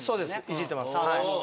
いじってますはい。